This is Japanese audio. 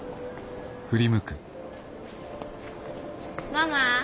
ママ。